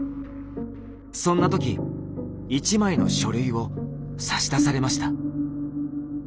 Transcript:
そんな時１枚の書類を差し出されました。